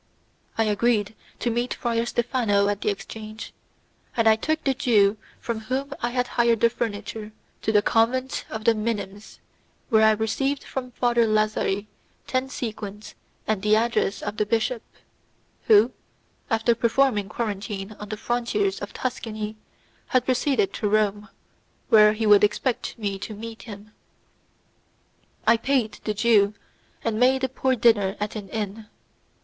I agreed to meet Friar Stephano at the exchange, and I took the Jew from whom I had hired the furniture, to the convent of the Minims, where I received from Father Lazari ten sequins and the address of the bishop, who, after performing quarantine on the frontiers of Tuscany, had proceeded to Rome, where he would expect me to meet him. I paid the Jew, and made a poor dinner at an inn.